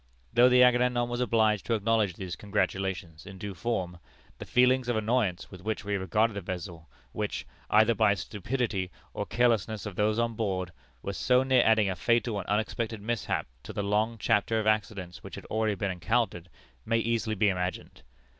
Though the Agamemnon was obliged to acknowledge these congratulations in due form, the feelings of annoyance with which we regarded the vessel which, either by the stupidity or carelessness of those on board, was so near adding a fatal and unexpected mishap to the long chapter of accidents which had already been encountered, may easily be imagined.